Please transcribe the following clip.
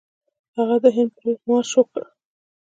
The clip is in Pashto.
هغه د هند پر لور مارش وکړ.